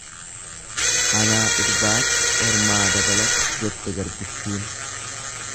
Anaa irbaata, Ormaa dabalata jette garbittiin.